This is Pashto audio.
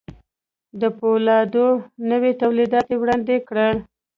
د پولادو نوي توليدات يې وړاندې کړل.